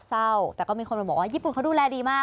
เศร้าแต่ก็มีคนมาบอกว่าญี่ปุ่นเขาดูแลดีมาก